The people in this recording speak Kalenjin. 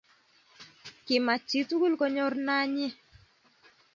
Kimach chitugul konyor nanyi